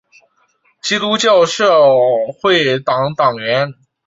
基督教社会党党员。